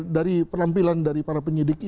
dari penampilan dari para penyidik